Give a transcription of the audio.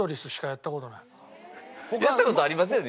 やった事ありますよね？